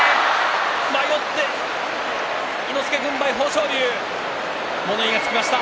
迷って、伊之助軍配豊昇龍、物言いがつきました。